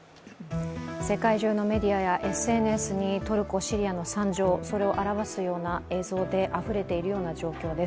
世界中のメディアやＳＮＳにトルコ・シリアの惨状、それを表すような映像であふれているような状況です。